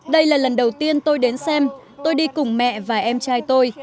đây là lần đầu tiên tôi đến xem tôi đi cùng mẹ và em trai tôi